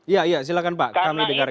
ya ya silahkan pak kami dengarkan